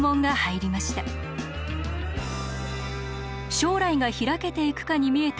将来が開けていくかに見えた